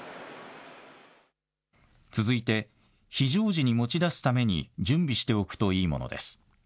続いて非常時に持ち出すために準備しておくといいものです。